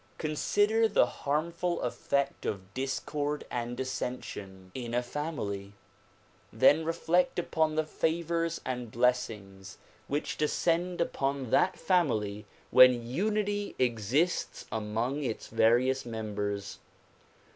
Consider the harmful effect of discord and dissension in a DISCOURSES DELIVERED IN NEW YORK 225 family ; then reflect upon the favors and blessings which descend upon that family when unity exists among its various members.